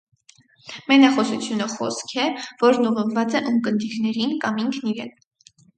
Մենախոսությունը խոսք է, որն ուղղված է ունկնդիրներին կամ ինքն իրեն։